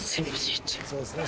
そうですね。